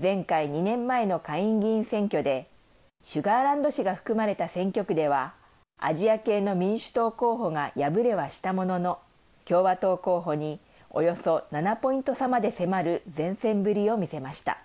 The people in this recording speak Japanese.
前回、２年前の下院議員選挙でシュガーランド市が含まれた選挙区ではアジア系の民主党候補が敗れはしたものの共和党候補におよそ７ポイント差まで迫る善戦ぶりを見せました。